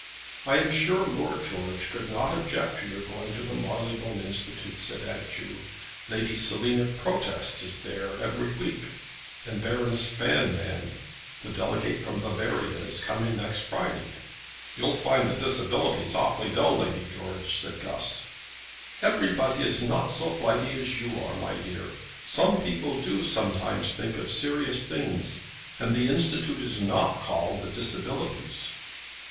"I am sure Lord George could not object to your going to the Marylebone Institute," said Aunt Ju. "Lady Selina Protest is there every week, and Baroness Banmann, the delegate from Bavaria, is coming next Friday." "You'd find the Disabilities awfully dull, Lady George," said Guss. "Everybody is not so flighty as you are, my dear. Some people do sometimes think of serious things. And the Institute is not called the Disabilities."